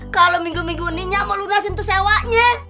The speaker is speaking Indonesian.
kalo minggu mingguni nya mau lu nasi untuk sewanya